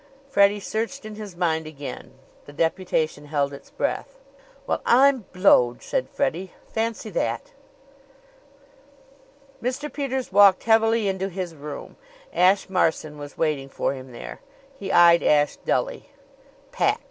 Freddie searched in his mind again. The deputation held its breath. "Well, I'm blowed!" said Freddie. "Fancy that!" Mr. Peters walked heavily into his room. Ashe Marson was waiting for him there. He eyed Ashe dully. "Pack!"